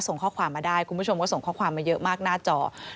ส่งข้อความมาได้คุณผู้ชมก็ส่งข้อความมาเยอะมากหน้าจอ